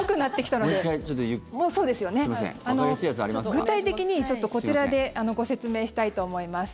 具体的に、こちらでご説明したいと思います。